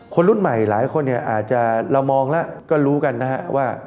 คนรุ่นใหม่หลายคนเนี่ยอาจจะเรามองแล้วก็รู้กันนะฮะว่า